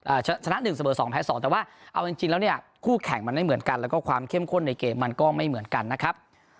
ชนะหนึ่งเสมอสองแพ้สองแต่ว่าเอาจริงจริงแล้วเนี่ยคู่แข่งมันไม่เหมือนกันแล้วก็ความเข้มข้นในเกมมันก็ไม่เหมือนกันนะครับ